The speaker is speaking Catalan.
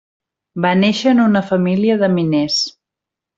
Va néixer en una família de miners.